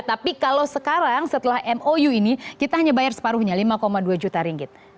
tapi kalau sekarang setelah mou ini kita hanya bayar separuhnya lima dua juta ringgit